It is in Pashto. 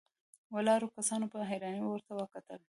ولاړو کسانو په حيرانۍ ورته وکتل.